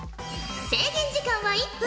制限時間は１分。